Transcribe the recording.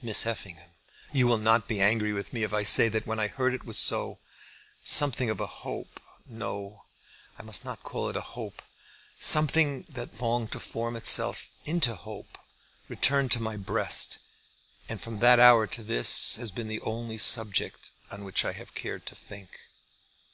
Miss Effingham, you will not be angry with me if I say that when I heard it was so, something of a hope, no, I must not call it a hope, something that longed to form itself into hope returned to my breast, and from that hour to this has been the only subject on which I have cared to think."